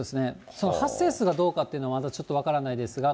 その発生数がどうかというのは、まだちょっと分からないですけど。